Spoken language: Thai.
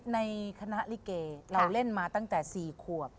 ในคณะลิเกเราเล่นมาตั้งแต่๔ขวบ